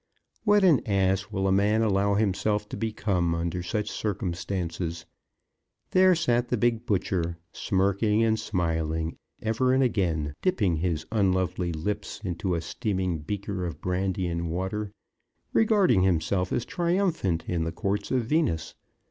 What an ass will a man allow himself to become under such circumstances! There sat the big butcher, smirking and smiling, ever and again dipping his unlovely lips into a steaming beaker of brandy and water, regarding himself as triumphant in the courts of Venus.